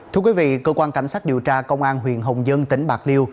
thưa quý vị cơ quan cảnh sát điều tra công an huyện hồng dân tỉnh bạc liêu